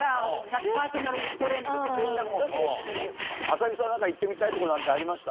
麻木さん行ってみたいとこなんてありました？